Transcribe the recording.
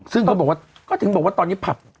ซึ่งเขาบอกว่าก็ถึงบอกว่าตอนนี้ผับ